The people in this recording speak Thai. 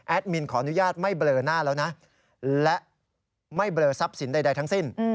มินขออนุญาตไม่เบลอหน้าแล้วนะและไม่เบลอทรัพย์สินใดทั้งสิ้น